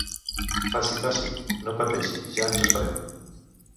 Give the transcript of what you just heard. Faci, faci. No pateixi, ja ens esperem.